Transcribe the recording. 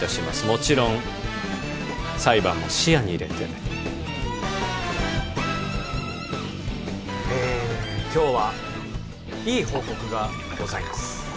もちろん裁判も視野に入れてえ今日はいい報告がございます